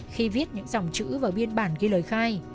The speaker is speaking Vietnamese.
khi viết những dòng chữ và biên bản ghi lời khai